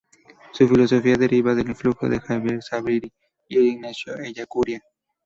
Su filosofía deriva del influjo de Xavier Zubiri y de Ignacio Ellacuría.